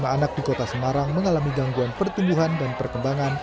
satu empat ratus enam puluh lima anak di kota semarang mengalami gangguan pertumbuhan dan perkembangan